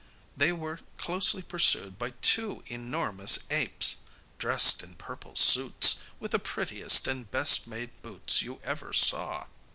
They were closely pursued by two enormous apes, dressed in purple suits, with the prettiest and best made boots you ever saw.